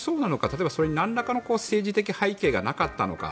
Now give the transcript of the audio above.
例えば、それになんらかの政治的な背景がなかったのか。